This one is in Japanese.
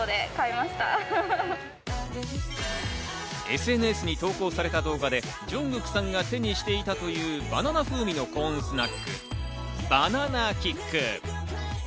ＳＮＳに投稿された動画でジョングクさんが手にしていたというバナナ風味のコーンスナック、バナナキック。